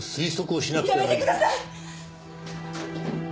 やめてください！